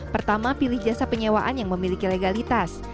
pertama pilih jasa penyewaan yang memiliki legalitas